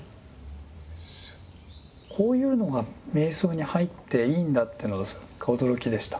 こういうのが瞑想に入っていいんだっていうのが驚きでした。